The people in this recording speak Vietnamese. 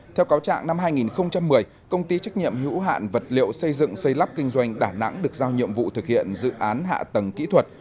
theo cáo trạng năm hai nghìn một mươi công ty trách nhiệm hữu hạn vật liệu xây dựng xây lắp kinh doanh đà nẵng được giao nhiệm vụ thực hiện dự án hạ tầng kỹ thuật